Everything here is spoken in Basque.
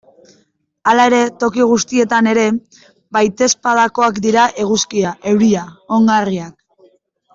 Hala ere, toki guztietan ere baitezpadakoak dira eguzkia, euria, ongarriak...